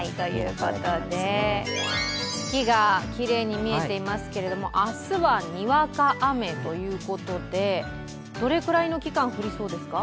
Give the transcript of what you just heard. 月がきれいに見えていますけど明日はにわか雨ということでどれくらいの期間、降りそうですか？